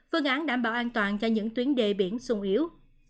phương án đảm bảo an toàn cho những tuyến đê biển sung yếu